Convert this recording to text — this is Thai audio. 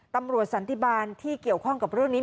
สันติบาลที่เกี่ยวข้องกับเรื่องนี้